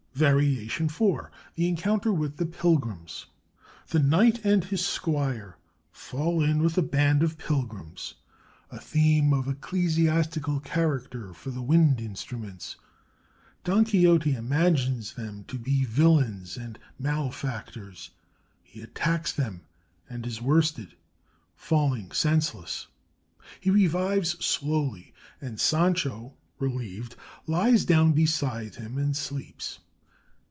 VARIATION IV THE ENCOUNTER WITH THE PILGRIMS The knight and his squire fall in with a band of pilgrims (a theme of ecclesiastical character for the wind instruments). Don Quixote imagines them to be villains and malefactors. He attacks them and is worsted, falling senseless. He revives slowly, and Sancho, relieved, lies down beside him and sleeps.